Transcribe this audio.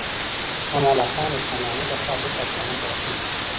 امان الله خان د شاه محمود لخوا بیرته اصفهان ته راستون شو.